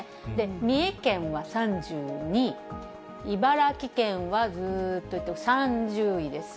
三重県は３２位、茨城県はずーっと行って３０位です。